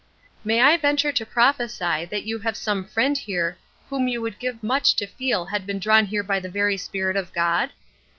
"May I venture to prophesy that you have some friend here whom you would give much to feel had been drawn here by the very Spirit of God?"